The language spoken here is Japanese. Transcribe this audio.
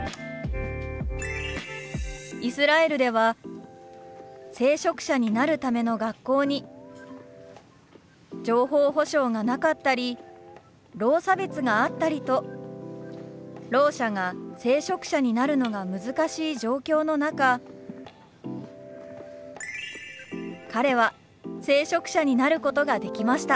イスラエルでは聖職者になるための学校に情報保障がなかったりろう差別があったりとろう者が聖職者になるのが難しい状況の中彼は聖職者になることができました。